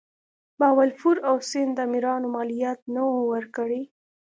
بهاولپور او سند امیرانو مالیات نه وه ورکړي.